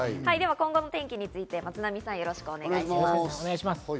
今後の天気について松並さん、よろしくお願いします。